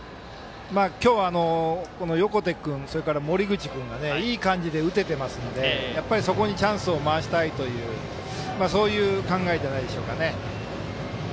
今日は横手君、森口君がいい感じに打てているのでやっぱりそこにチャンスを回したいという考えじゃないでしょうか。